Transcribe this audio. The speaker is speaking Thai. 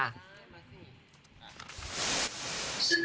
อ๋อตาทุก